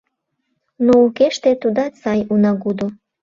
Но укеште тудат сай унагудо.